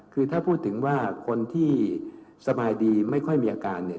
คือถ้าพูดถึงว่าคนที่สบายดีไม่ค่อยมีอาการเนี่ย